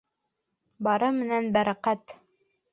Бары менән бәрәкәт.